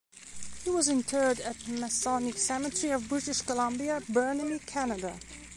He was interred at Masonic Cemetery of British Columbia, Burnaby, Canada.